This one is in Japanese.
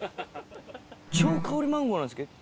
超香りがマンゴーなんですけど。